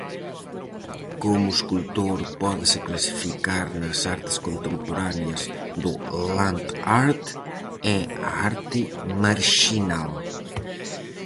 Como escultor pódese clasificar nas artes contemporáneas do land art, e a arte marxinal.